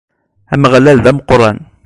Ameɣlal, d ameqqran!